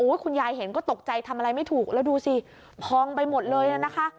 คุณยายเห็นก็ตกใจทำอะไรไม่ถูกแล้วดูสิพองไปหมดเลยน่ะนะคะ